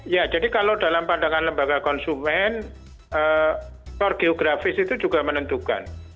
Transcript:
ya jadi kalau dalam pandangan lembaga konsumen geografis itu juga menentukan